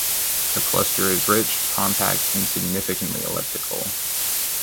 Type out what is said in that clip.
The cluster is rich, compact, and significantly elliptical.